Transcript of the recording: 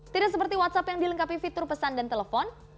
tidak seperti whatsapp yang dilengkapi fitur pesan dan telepon